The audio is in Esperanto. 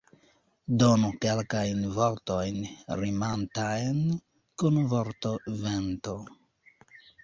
Donu kelkajn vortojn rimantajn kun vorto vento.